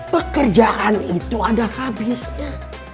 pekerjaan itu ada habisnya